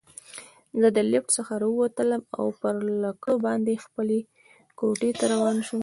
زه له لفټ څخه راووتلم او پر لکړو باندې خپلې کوټې ته روان شوم.